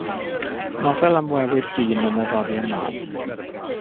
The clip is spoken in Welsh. Nofel am wewyr dyn yn yr oriau mân.